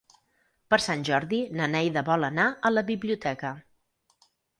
Per Sant Jordi na Neida vol anar a la biblioteca.